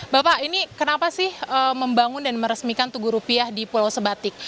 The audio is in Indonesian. bapak ini kenapa sih membangun dan meresmikan tugu rupiah di pulau sebatik